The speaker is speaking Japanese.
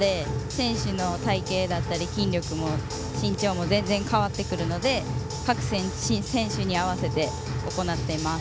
選手の体形だったり筋力も伸長も変わってくるので各選手に合わせて行っています。